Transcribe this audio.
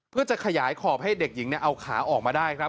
เพื่อจะขยายขอบให้เด็กหญิงเอาขาออกมาได้ครับ